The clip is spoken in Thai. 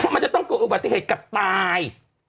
มันจะต้องเกิดอุบัติเหตุกับตาย